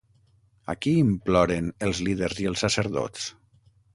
A qui imploren els líders i els sacerdots?